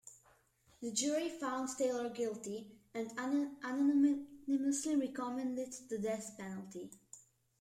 The jury found Taylor guilty, and unanimously recommended the death penalty.